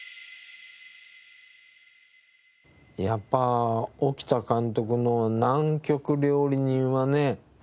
やっぱ沖田監督の『南極料理人』はね